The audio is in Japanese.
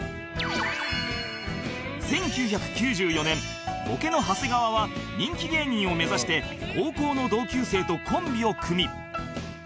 １９９４年ボケの長谷川は人気芸人を目指して高校の同級生とコンビを組み